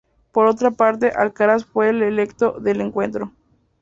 Por otra parte, Alcaraz fue electo del encuentro.